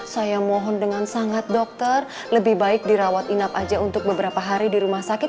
saya mohon dengan sangat dokter lebih baik dirawat inap aja untuk beberapa hari di rumah sakit